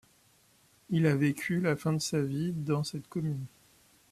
Il a vécu la fin de sa vie dans cette commune.